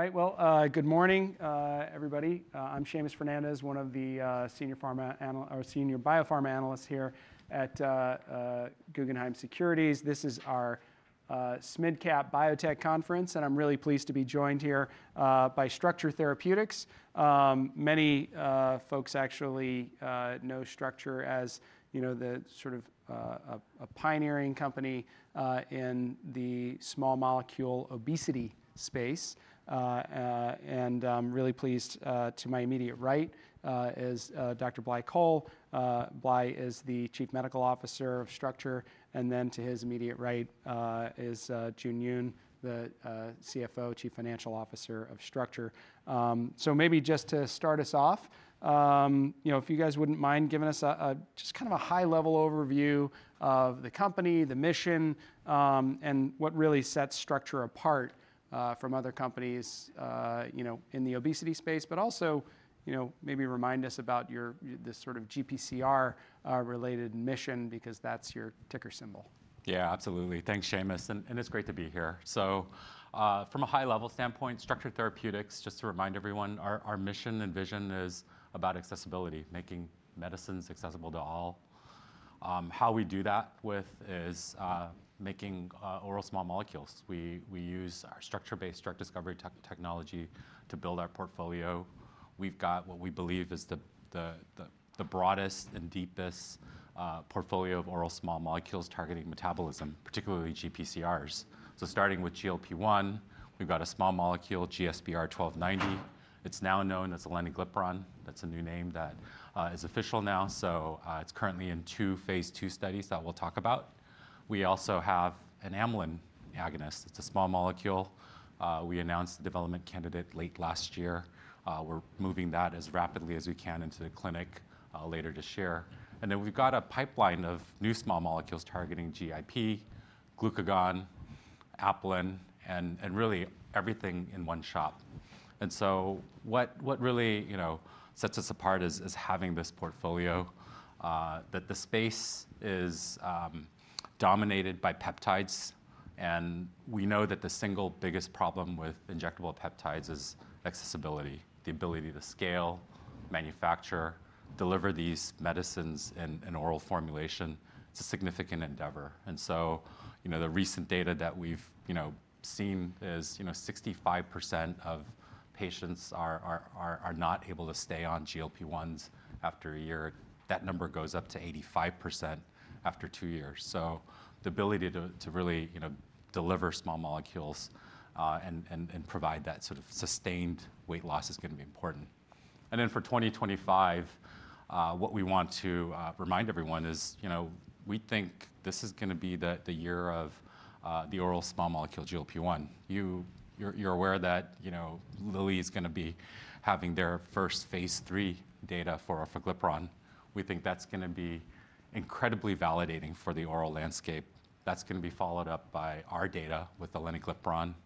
Right, well, good morning, everybody. I'm Seamus Fernandez, one of the Senior Bio-Pharma Analysts here at Guggenheim Securities. This is our SMID Cap Biotech Conference, and I'm really pleased to be joined here by Structure Therapeutics. Many folks actually know Structure as the sort of a pioneering company in the small molecule obesity space, and I'm really pleased. To my immediate right is Dr. Blai Coll. Blai is the Chief Medical Officer of Structure, and then to his immediate right is Jun Yoon, the CFO, Chief Financial Officer of Structure. So maybe just to start us off, if you guys wouldn't mind giving us just kind of a high-level overview of the company, the mission, and what really sets Structure apart from other companies in the obesity space, but also maybe remind us about your sort of GPCR-related mission, because that's your ticker symbol. Yeah, absolutely. Thanks, Seamus, and it's great to be here. So from a high-level standpoint, Structure Therapeutics, just to remind everyone, our mission and vision is about accessibility, making medicines accessible to all. How we do that is making oral small molecules. We use our structure-based drug discovery technology to build our portfolio. We've got what we believe is the broadest and deepest portfolio of oral small molecules targeting metabolism, particularly GPCRs. So starting with GLP-1, we've got a small molecule, GSBR-1290. It's now known as Aleniglipron. That's a new name that is official now, so it's currently in two phase II studies that we'll talk about. We also have an amylin agonist. It's a small molecule. We announced the development candidate late last year. We're moving that as rapidly as we can into the clinic later this year. And then we've got a pipeline of new small molecules targeting GIP, glucagon, apelin, and really everything in one shot. And so what really sets us apart is having this portfolio, that the space is dominated by peptides, and we know that the single biggest problem with injectable peptides is accessibility, the ability to scale, manufacture, deliver these medicines in oral formulation. It's a significant endeavor. And so the recent data that we've seen is 65% of patients are not able to stay on GLP-1s after a year. That number goes up to 85% after two years. So the ability to really deliver small molecules and provide that sort of sustained weight loss is going to be important. And then for 2025, what we want to remind everyone is we think this is going to be the year of the oral small molecule GLP-1. You're aware that Lilly is going to be having their first phase III data for orforglipron. We think that's going to be incredibly validating for the oral landscape. That's going to be followed up by our data with the aleniglipron at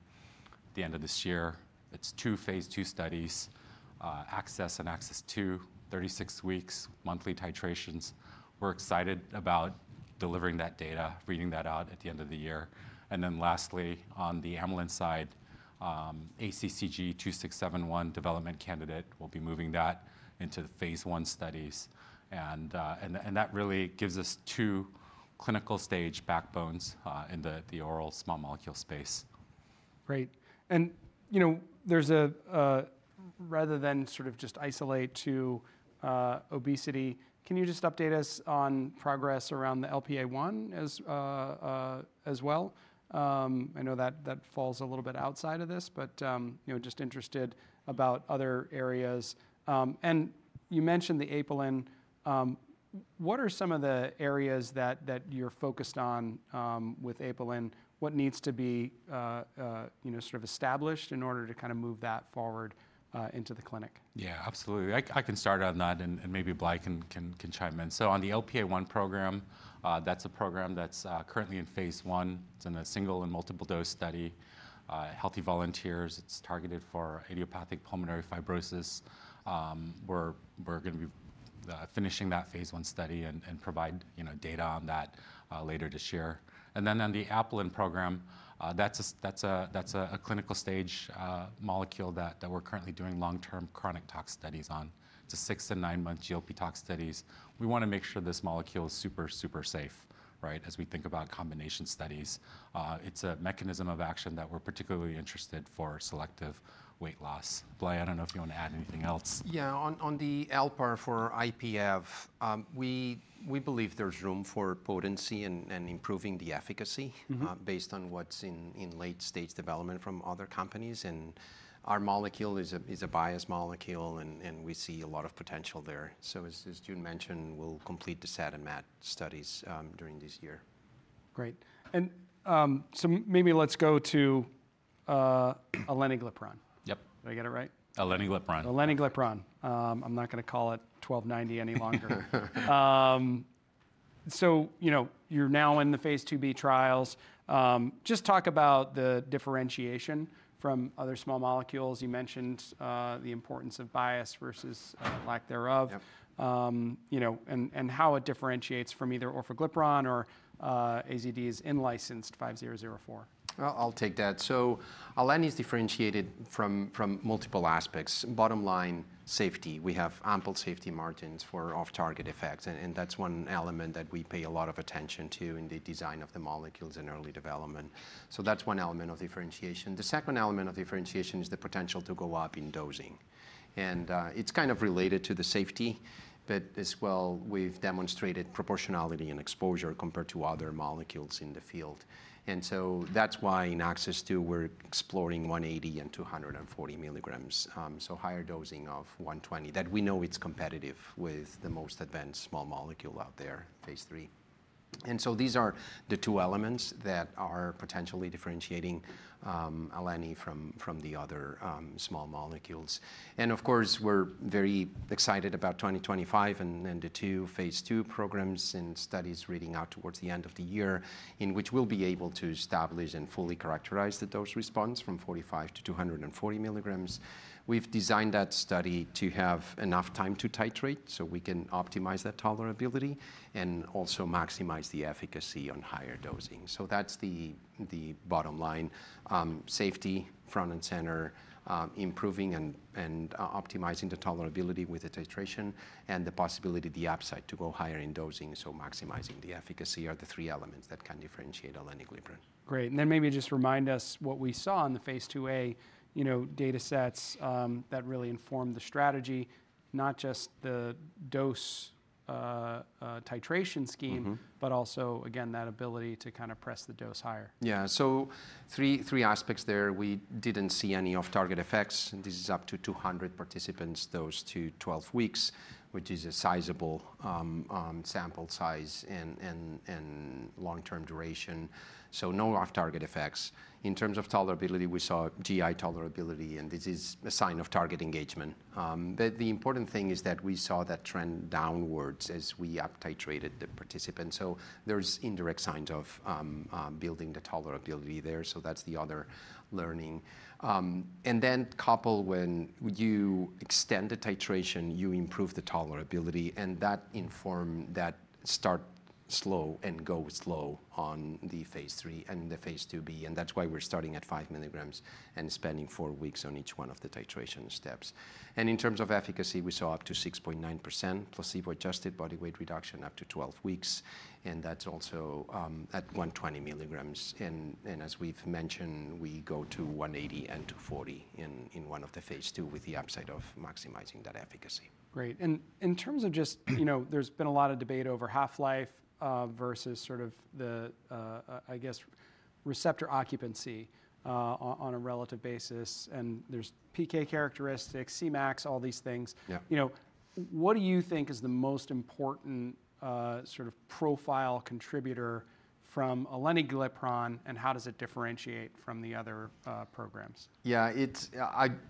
the end of this year. It's two phase II studies, ACCESS and ACCESS-2, 36 weeks, monthly titrations. We're excited about delivering that data, reading that out at the end of the year. And then lastly, on the amylin side, GSBR-2671 development candidate, we'll be moving that into phase I studies. And that really gives us two clinical stage backbones in the oral small molecule space. Great. And there's a rather than sort of just isolate to obesity, can you just update us on progress around the LPA1 as well? I know that falls a little bit outside of this, but just interested about other areas. And you mentioned the apelin. What are some of the areas that you're focused on with apelin? What needs to be sort of established in order to kind of move that forward into the clinic? Yeah, absolutely. I can start on that, and maybe Blai can chime in, so on the LPA1 program, that's a program that's currently in phase I. It's in a single- and multiple-dose study, healthy volunteers. It's targeted for idiopathic pulmonary fibrosis. We're going to be finishing that phase I study and provide data on that later this year, and then on the apelin program, that's a clinical stage molecule that we're currently doing long-term chronic tox studies on. It's a six- and nine-month GLP tox studies. We want to make sure this molecule is super, super safe as we think about combination studies. It's a mechanism of action that we're particularly interested for selective weight loss. Blai, I don't know if you want to add anything else. Yeah, on the LPA1 for IPF, we believe there's room for potency and improving the efficacy based on what's in late-stage development from other companies. And our molecule is a biased molecule, and we see a lot of potential there. So as Jun mentioned, we'll complete the SAD and MAD studies during this year. Great. And so maybe let's go to Aleniglipron. Yep. Did I get it right? A leniglipron. Aleniglipron. I'm not going to call it 1290 any longer. So you're now in the phase 11 b trials. Just talk about the differentiation from other small molecules. You mentioned the importance of bias versus lack thereof, and how it differentiates from either orforglipron or AZD's in-licensed 5004. I'll take that. So Aleni is differentiated from multiple aspects. Bottom line, safety. We have ample safety margins for off-target effects, and that's one element that we pay a lot of attention to in the design of the molecules in early development. So that's one element of differentiation. The second element of differentiation is the potential to go up in dosing. And it's kind of related to the safety, but as well, we've demonstrated proportionality and exposure compared to other molecules in the field. And so that's why in ACCESS-2, we're exploring 180 and 240 milligrams. So higher dosing of 120 that we know it's competitive with the most advanced small molecule out there, phase III. And so these are the two elements that are potentially differentiating Aleniglipron from the other small molecules. Of course, we're very excited about 2025 and the two phase II programs and studies reading out towards the end of the year, in which we'll be able to establish and fully characterize the dose response from 45 to 240 milligrams. We've designed that study to have enough time to titrate so we can optimize that tolerability and also maximize the efficacy on higher dosing. So that's the bottom line. Safety, front and center, improving and optimizing the tolerability with the titration and the possibility of the upside to go higher in dosing. So maximizing the efficacy are the three elements that can differentiate Aleniglipron. Great. And then maybe just remind us what we saw in the phase IIa data sets that really informed the strategy, not just the dose titration scheme, but also, again, that ability to kind of press the dose higher. Yeah, so three aspects there. We didn't see any off-target effects. This is up to 200 participants dosed to 12 weeks, which is a sizable sample size and long-term duration, so no off-target effects. In terms of tolerability, we saw GI tolerability, and this is a sign of target engagement. But the important thing is that we saw that trend downwards as we up-titrated the participants, so there's indirect signs of building the tolerability there, so that's the other learning, and then coupled when you extend the titration, you improve the tolerability, and that informed that start slow and go slow on the phase III and the phase IIb, and that's why we're starting at five milligrams and spending four weeks on each one of the titration steps. In terms of efficacy, we saw up to 6.9% placebo-adjusted body weight reduction up to 12 weeks, and that's also at 120 milligrams. As we've mentioned, we go to 180 and 240 in one of the phase II with the upside of maximizing that efficacy. Great. And in terms of just, there's been a lot of debate over half-life versus sort of the, I guess, receptor occupancy on a relative basis, and there's PK characteristics, Cmaxes, all these things. What do you think is the most important sort of profile contributor from Aleniglipron, and how does it differentiate from the other programs? Yeah,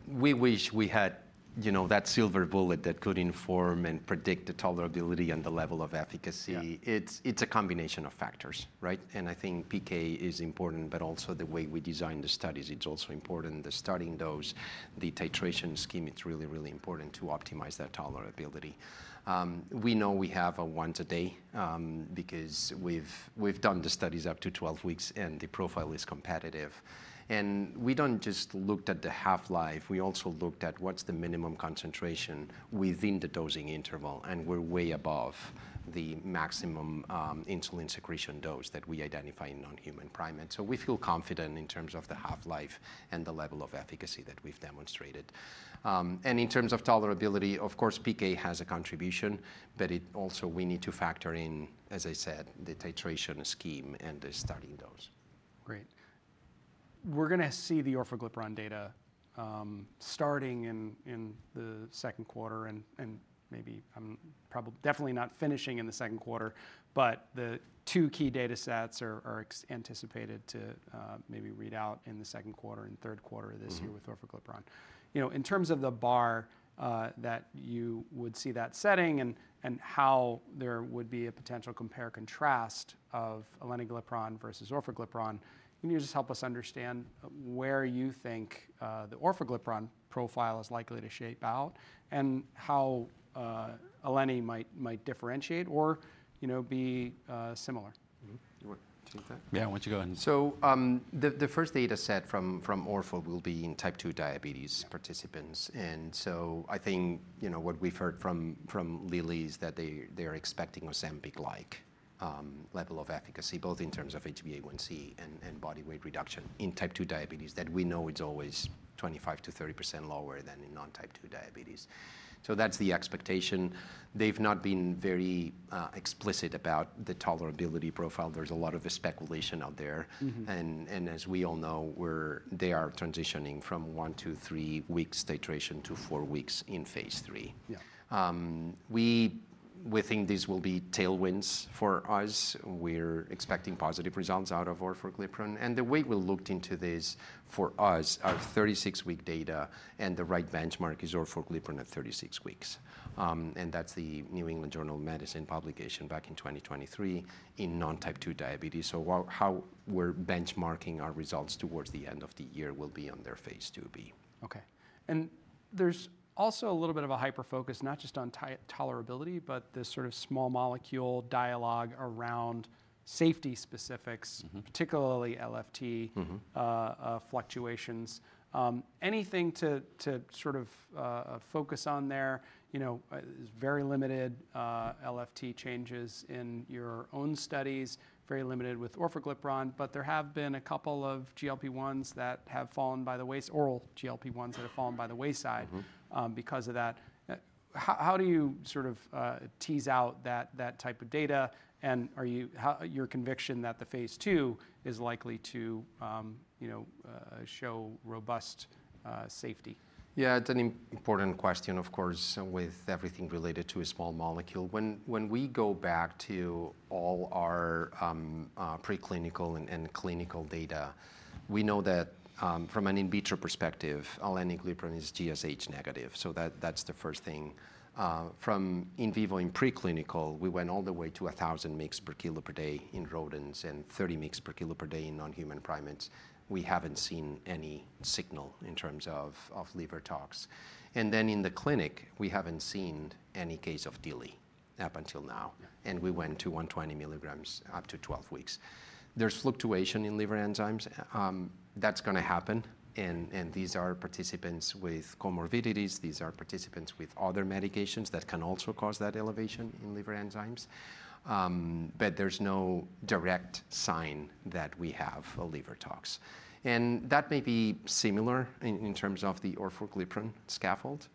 we wish we had that silver bullet that could inform and predict the tolerability and the level of efficacy. It's a combination of factors, right? And I think PK is important, but also the way we design the studies, it's also important. The starting dose, the titration scheme, it's really, really important to optimize that tolerability. We know we have a one today because we've done the studies up to 12 weeks, and the profile is competitive. And we don't just look at the half-life. We also looked at what's the minimum concentration within the dosing interval, and we're way above the maximum insulin secretion dose that we identify in non-human primates. So we feel confident in terms of the half-life and the level of efficacy that we've demonstrated. In terms of tolerability, of course, PK has a contribution, but also we need to factor in, as I said, the titration scheme and the starting dose. Great. We're going to see the orforglipron data starting in the second quarter, and maybe I'm definitely not finishing in the second quarter, but the two key data sets are anticipated to maybe read out in the second quarter and third quarter of this year with orforglipron. In terms of the bar that you would see that setting and how there would be a potential compare-contrast of aleniglipron versus orforglipron, can you just help us understand where you think the orforglipron profile is likely to shape out and how aleniglipron might differentiate or be similar? You want to take that? Yeah, why don't you go ahead. So the first data set from orforglipron will be in type two diabetes participants. And so I think what we've heard from Lilly is that they're expecting a Ozempic-like level of efficacy, both in terms of HbA1c and body weight reduction in type two diabetes, that we know it's always 25%-30% lower than in non-type two diabetes. So that's the expectation. They've not been very explicit about the tolerability profile. There's a lot of speculation out there. And as we all know, they are transitioning from one to three weeks titration to four weeks in phase III. We think this will be tailwinds for us. We're expecting positive results out of orforglipron. And the way we looked into this for us are 36-week data, and the right benchmark is orforglipron at 36 weeks. That's the New England Journal of Medicine publication back in 2023 in non-type 2 diabetes. How we're benchmarking our results towards the end of the year will be on their phase IIb. Okay. And there's also a little bit of a hyperfocus, not just on tolerability, but this sort of small molecule dialogue around safety specifics, particularly LFT fluctuations. Anything to sort of focus on there? Very limited LFT changes in your own studies, very limited with orforglipron, but there have been a couple of GLP-1s that have fallen by the wayside, oral GLP-1s that have fallen by the wayside because of that. How do you sort of tease out that type of data? And your conviction that the phase II is likely to show robust safety? Yeah, it's an important question, of course, with everything related to a small molecule. When we go back to all our preclinical and clinical data, we know that from an in vitro perspective, aleniglipron is GSH negative. So that's the first thing. From in vivo in preclinical, we went all the way to 1,000 mg/kg/day in rodents and 30 mg/kg/day in non-human primates. We haven't seen any signal in terms of liver tox. And then in the clinic, we haven't seen any case of DILI up until now. And we went to 120 milligrams up to 12 weeks. There's fluctuation in liver enzymes. That's going to happen. And these are participants with comorbidities. These are participants with other medications that can also cause that elevation in liver enzymes. But there's no direct sign that we have a liver tox. And that may be similar in terms of the orforglipron scaffold.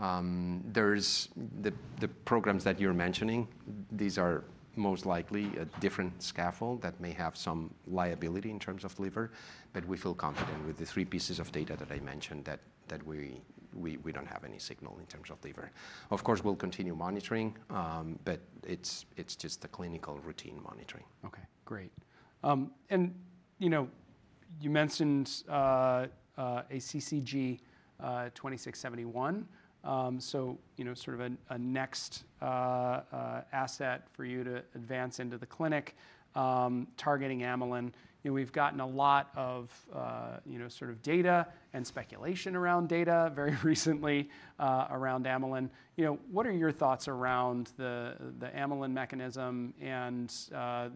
There's the programs that you're mentioning. These are most likely a different scaffold that may have some liability in terms of liver. But we feel confident with the three pieces of data that I mentioned that we don't have any signal in terms of liver. Of course, we'll continue monitoring, but it's just the clinical routine monitoring. Okay, great. And you mentioned a GSBR-2671. So sort of a next asset for you to advance into the clinic targeting amylin. We've gotten a lot of sort of data and speculation around data very recently around amylin. What are your thoughts around the amylin mechanism and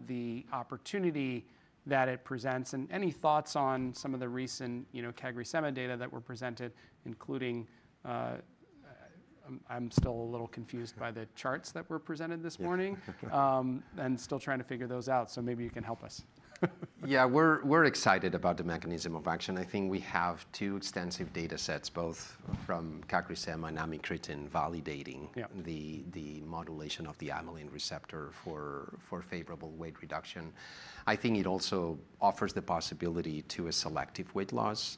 the opportunity that it presents? And any thoughts on some of the recent CagriSema data that were presented, including I'm still a little confused by the charts that were presented this morning and still trying to figure those out. So maybe you can help us. Yeah, we're excited about the mechanism of action. I think we have two extensive data sets, both from CagriSema and Amycretin, validating the modulation of the amylin receptor for favorable weight reduction. I think it also offers the possibility to a selective weight loss,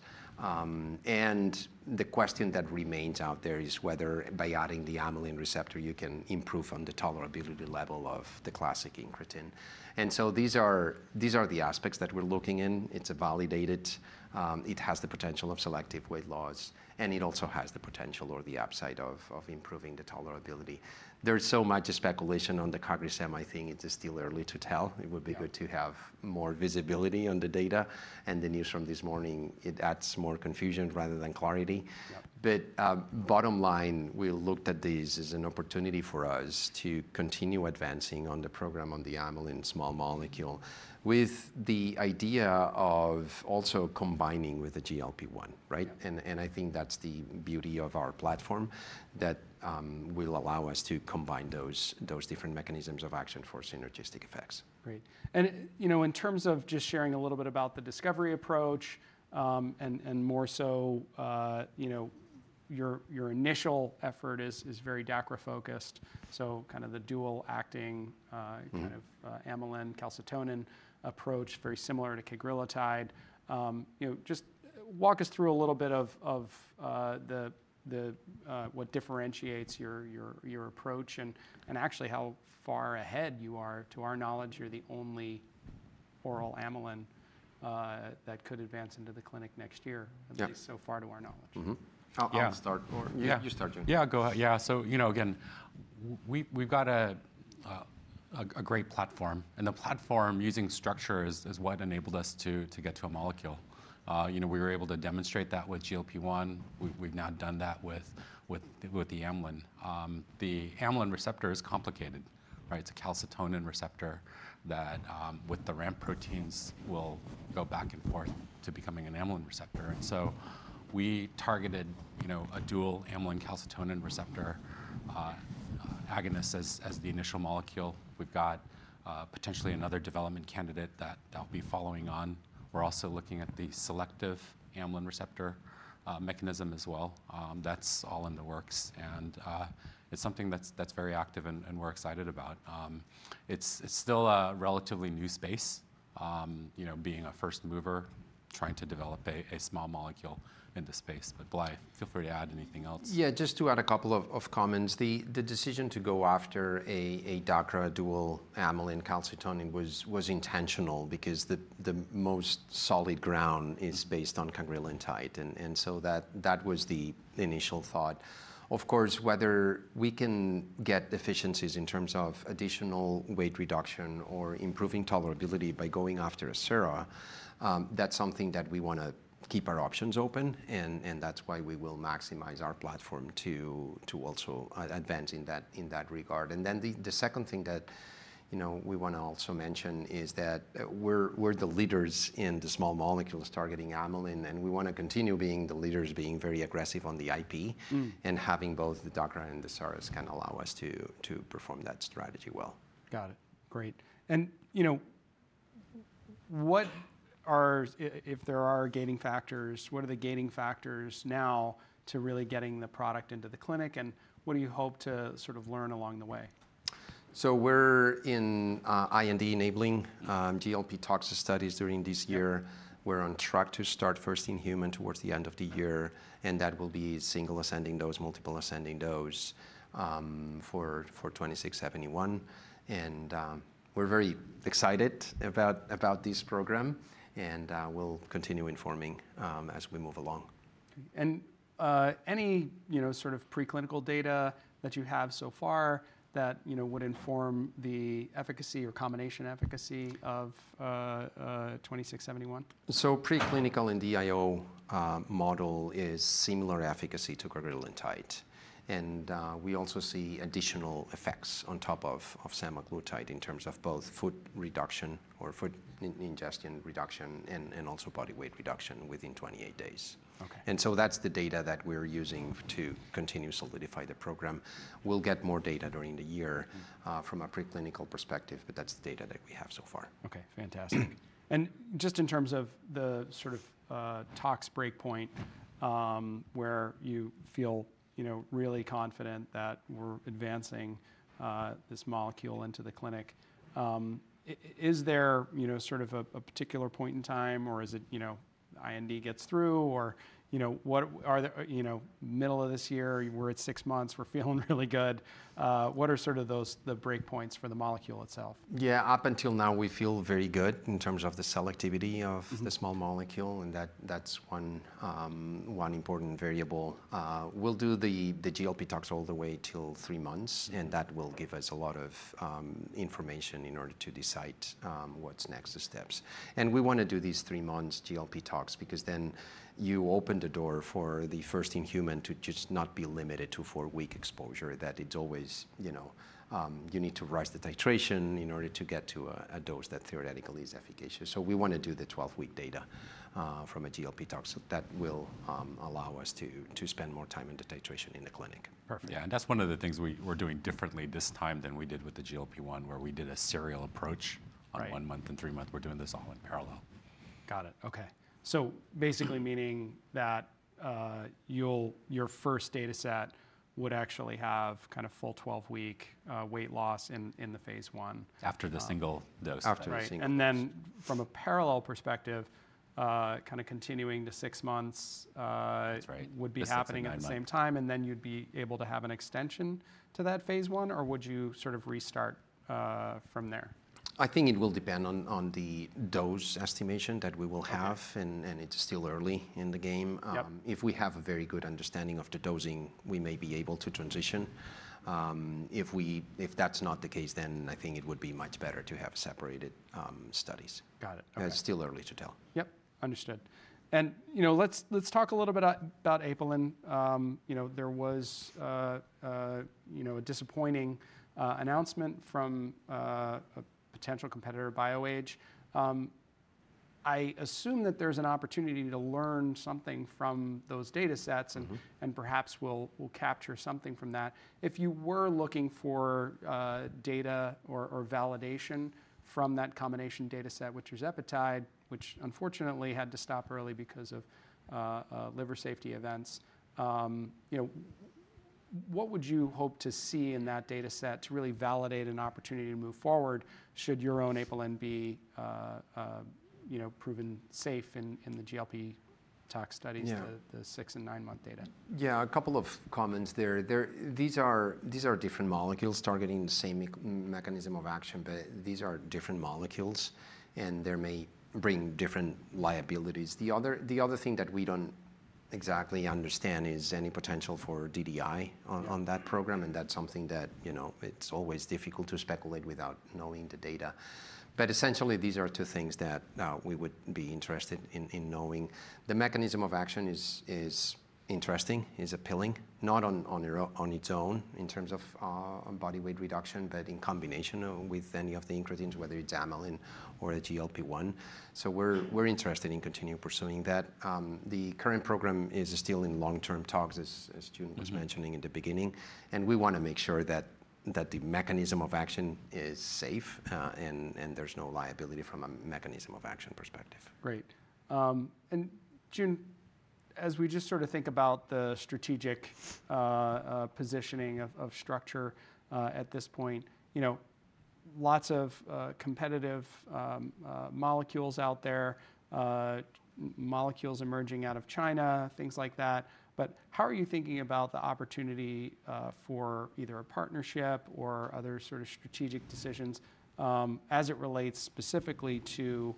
and the question that remains out there is whether by adding the amylin receptor, you can improve on the tolerability level of the classic incretin. And so these are the aspects that we're looking in. It's validated. It has the potential of selective weight loss, and it also has the potential or the upside of improving the tolerability. There's so much speculation on the CagriSema. I think it's still early to tell. It would be good to have more visibility on the data, and the news from this morning adds more confusion rather than clarity. But bottom line, we looked at this as an opportunity for us to continue advancing on the program on the amylin small molecule with the idea of also combining with the GLP-1, right? And I think that's the beauty of our platform that will allow us to combine those different mechanisms of action for synergistic effects. Great. And in terms of just sharing a little bit about the discovery approach and more so your initial effort is very DACRA-focused, so kind of the dual-acting kind of amylin-calcitonin approach, very similar to cagrilintide. Just walk us through a little bit of what differentiates your approach and actually how far ahead you are. To our knowledge, you're the only oral amylin that could advance into the clinic next year. At least so far to our knowledge. I'll start. You start, Jun. Yeah, go ahead. Yeah, so again, we've got a great platform. And the platform using Structure is what enabled us to get to a molecule. We were able to demonstrate that with GLP-1. We've now done that with the amylin. The amylin receptor is complicated, right? It's a calcitonin receptor that with the ramp proteins will go back and forth to becoming an amylin receptor. And so we targeted a dual amylin-calcitonin receptor agonist as the initial molecule. We've got potentially another development candidate that will be following on. We're also looking at the selective amylin receptor mechanism as well. That's all in the works. And it's something that's very active and we're excited about. It's still a relatively new space, being a first mover trying to develop a small molecule in the space. But Blai, feel free to add anything else. Yeah, just to add a couple of comments. The decision to go after a DACRA dual amylin-calcitonin was intentional because the most solid ground is based on cagrilintide, and so that was the initial thought. Of course, whether we can get efficiencies in terms of additional weight reduction or improving tolerability by going after a SARA, that's something that we want to keep our options open, and that's why we will maximize our platform to also advance in that regard, and then the second thing that we want to also mention is that we're the leaders in the small molecules targeting amylin, and we want to continue being the leaders, being very aggressive on the IP, and having both the DACRA and the SARAs can allow us to perform that strategy well. Got it. Great. And if there are gating factors, what are the gating factors now to really getting the product into the clinic? And what do you hope to sort of learn along the way? So we're in IND enabling GLP-tox studies during this year. We're on track to start first in human towards the end of the year. And that will be single ascending dose, multiple ascending dose for 2671. And we're very excited about this program. And we'll continue informing as we move along. Any sort of preclinical data that you have so far that would inform the efficacy or combination efficacy of 2671? Preclinical and DIO model is similar efficacy to cagrilintide. We also see additional effects on top of semaglutide in terms of both food reduction or food ingestion reduction and also body weight reduction within 28 days. That's the data that we're using to continue solidify the program. We'll get more data during the year from a preclinical perspective, but that's the data that we have so far. Okay, fantastic. And just in terms of the sort of tox breakpoint where you feel really confident that we're advancing this molecule into the clinic, is there sort of a particular point in time or is it IND gets through or middle of this year? We're at six months. We're feeling really good. What are sort of the breakpoints for the molecule itself? Yeah, up until now, we feel very good in terms of the selectivity of the small molecule. And that's one important variable. We'll do the GLP-tox all the way till three months, and that will give us a lot of information in order to decide what's next steps. And we want to do these three months GLP-tox because then you open the door for the first in human to just not be limited to four-week exposure, that it's always you need to raise the titration in order to get to a dose that theoretically is efficacious. So we want to do the 12-week data from a GLP-tox that will allow us to spend more time in the titration in the clinic. Perfect. Yeah, and that's one of the things we're doing differently this time than we did with the GLP-1 where we did a serial approach on one month and three months. We're doing this all in parallel. Got it. Okay. So basically meaning that your first data set would actually have kind of full 12-week weight loss in the phase I. After the single dose. After the single dose. Then from a parallel perspective, kind of continuing to six months would be happening at the same time. Then you'd be able to have an extension to that phase I, or would you sort of restart from there? I think it will depend on the dose estimation that we will have, and it's still early in the game. If we have a very good understanding of the dosing, we may be able to transition. If that's not the case, then I think it would be much better to have separated studies. Got it. It's still early to tell. Yep, understood. And let's talk a little bit about apelin. There was a disappointing announcement from a potential competitor, BioAge. I assume that there's an opportunity to learn something from those data sets and perhaps we'll capture something from that. If you were looking for data or validation from that combination data set, which was Azelaprag, which unfortunately had to stop early because of liver safety events, what would you hope to see in that data set to really validate an opportunity to move forward should your own apelin be proven safe in the GLP-tox studies, the six and nine-month data? Yeah, a couple of comments there. These are different molecules targeting the same mechanism of action, but these are different molecules. And they may bring different liabilities. The other thing that we don't exactly understand is any potential for DDI on that program. And that's something that it's always difficult to speculate without knowing the data. But essentially, these are two things that we would be interested in knowing. The mechanism of action is interesting, is appealing, not on its own in terms of body weight reduction, but in combination with any of the incretins, whether it's amylin or a GLP-1. So we're interested in continuing pursuing that. The current program is still in long-term tox, as Jun was mentioning in the beginning. And we want to make sure that the mechanism of action is safe and there's no liability from a mechanism of action perspective. Great. And Jun, as we just sort of think about the strategic positioning of Structure at this point, lots of competitive molecules out there, molecules emerging out of China, things like that. But how are you thinking about the opportunity for either a partnership or other sort of strategic decisions as it relates specifically to,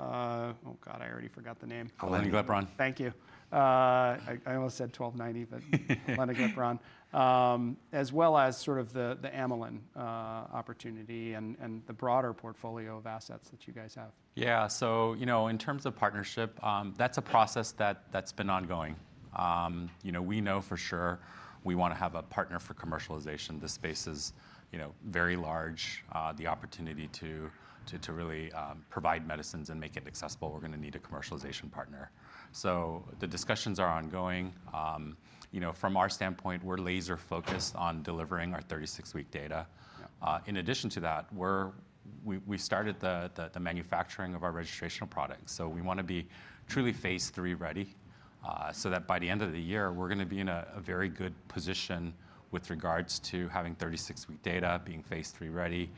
oh God, I already forgot the name. Aleniglipron. Thank you. I almost said 1290, but Aleniglipron, as well as sort of the amylin opportunity and the broader portfolio of assets that you guys have. Yeah, so in terms of partnership, that's a process that's been ongoing. We know for sure we want to have a partner for commercialization. The space is very large. The opportunity to really provide medicines and make it accessible, we're going to need a commercialization partner. So the discussions are ongoing. From our standpoint, we're laser-focused on delivering our 36-week data. In addition to that, we started the manufacturing of our registrational products. So we want to be truly phase III ready so that by the end of the year, we're going to be in a very good position with regards to having 36-week data, being phase III ready,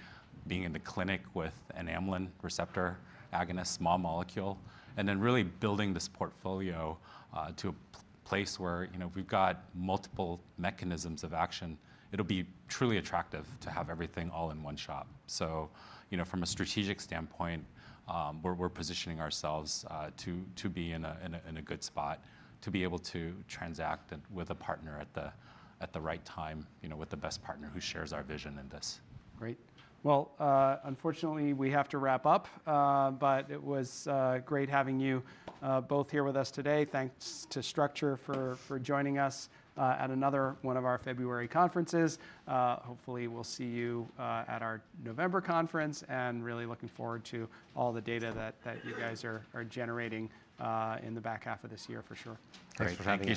being in the clinic with an Amylin receptor agonist small molecule, and then really building this portfolio to a place where we've got multiple mechanisms of action. It'll be truly attractive to have everything all in one shop. So from a strategic standpoint, we're positioning ourselves to be in a good spot to be able to transact with a partner at the right time, with the best partner who shares our vision in this. Great. Well, unfortunately, we have to wrap up, but it was great having you both here with us today. Thanks to Structure for joining us at another one of our February conferences. Hopefully, we'll see you at our November conference, and really looking forward to all the data that you guys are generating in the back half of this year for sure. Thanks for having us.